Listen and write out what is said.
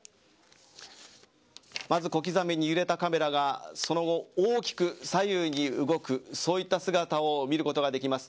まず小刻みに揺れたカメラがその後、大きく左右に動くそういった姿を見ることができます。